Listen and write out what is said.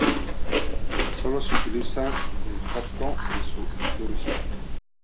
Sólo se utiliza el copto en su liturgia.